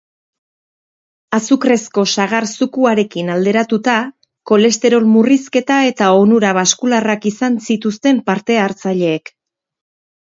Azukrezko sagar zukuarekin alderatuta, kolesterol murrizketa eta onura baskularrak izan zituzten parte-hartzaileek.